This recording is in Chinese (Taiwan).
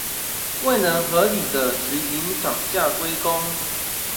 未能合理的實行漲價歸公